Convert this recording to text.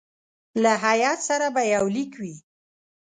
له هیات سره به یو لیک وي.